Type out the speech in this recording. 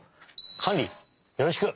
カンリよろしく！